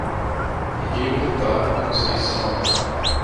Rio da Conceição